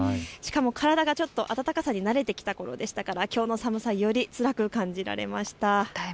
しかも体がちょっと暖かさに慣れてきたころでしたからきょうの寒さはよりつらく感じられました。